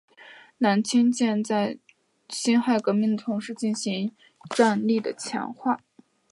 南清舰队在辛亥革命的同时进行战力的强化。